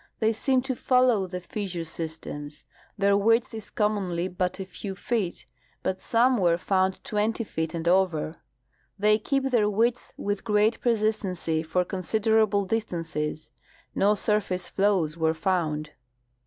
They seem to follow the fissure systems. Their width is com monly hut a few feet, but some were found twenty feet and over. They keep their width with great persistency for considerable distances. No surface flows were found.